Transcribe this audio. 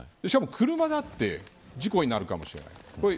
しかも車だって事故になるかもしれない。